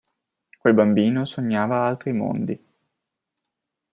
Quel bambino sognava altri mondi.